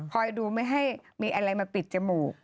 ดูไม่ให้มีอะไรมาปิดจมูก